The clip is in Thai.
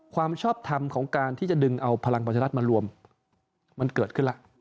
ความชอบทำของการที่จะดึงเอาพลังประชารัฐมารวมมันเกิดขึ้นแล้ว